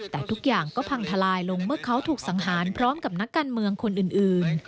แต่ทุกอย่างก็พังทลายลงเมื่อเขาถูกสังหารพร้อมกับนักการเมืองคนอื่น